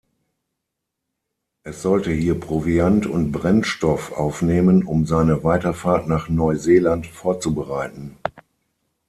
Es sollte hier Proviant und Brennstoff aufnehmen, um seine Weiterfahrt nach Neuseeland vorzubereiten.